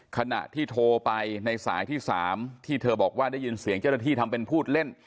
ขณะที่โทรไปในสายที่๓ที่เธอบอกว่าได้ยินเสียงเจ้าหน้าที่ทำเป็นพูดเล่น